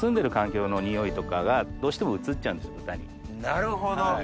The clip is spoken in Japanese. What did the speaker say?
なるほど。